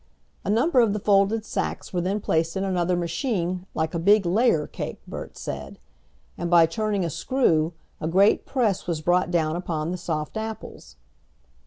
A number of the folded sacks were then placed in another machine "like a big layer cake," Bert said, and by turning a screw a great press was brought down upon the soft apples.